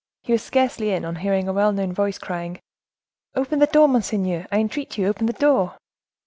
He was scarcely in his well known voice crying:—"Open the door, monseigneur, I entreat you, open the door!"